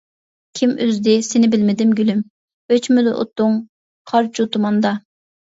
كىم ئۈزدى سىنى بىلمىدىم گۈلۈم، ئۆچمىدى ئوتۇڭ قارچۇ، تۇماندا.